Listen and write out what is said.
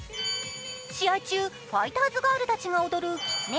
試合中、ファイターズガールたちが踊るきつね